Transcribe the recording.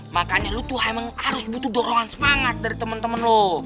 makanya lo tuh emang harus butuh dorongan semangat dari temen temen lo